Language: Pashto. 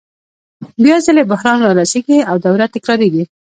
بیا ځلي بحران رارسېږي او دوره تکرارېږي